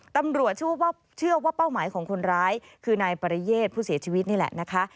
ตำรวจเชื่อว่าเป้าหมายของคนร้ายคือนายปริเยศผู้เสียชีวิตนี่แหละนะคะ